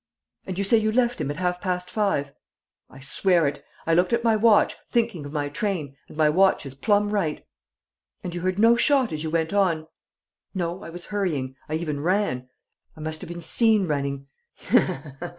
"And you say you left him at half past five?" "I swear it. I looked at my watch, thinking of my train, and my watch is plumb right." "And you heard no shot as you went on?" "No I was hurrying. I even ran. I must have been seen running!